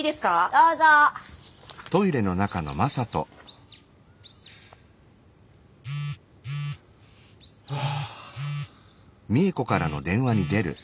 どうぞ。はあ。